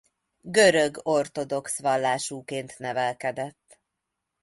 Görög ortodox vallásúként nevelkedett.